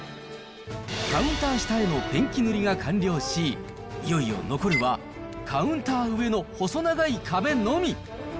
カウンター下へのペンキ塗りが完了し、いよいよ残るはカウンター上の細長い壁のみ。